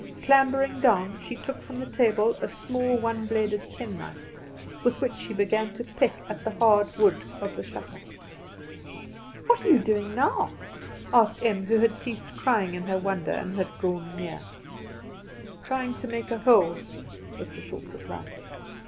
Clambering down, she took from the table a small one bladed penknife, with which she began to peck at the hard wood of the shutter. "What are you doing now?" asked Em, who had ceased crying in her wonder, and had drawn near. "Trying to make a hole," was the short reply.